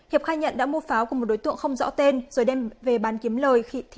hiệp khai nhận đã mua pháo của một đối tượng không rõ tên rồi đem về bán kiếm lời khi bị bắt giữ